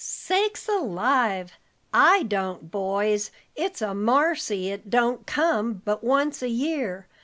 "Sakes alive, I don't, boys! It's a marcy it don't come but once a year.